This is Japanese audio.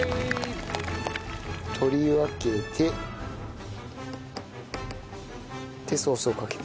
取り分けて。でソースをかけて。